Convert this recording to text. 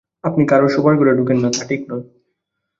আপনি কারোর শোবার ঘরে ঢোকেন না, তা ঠিক নয়।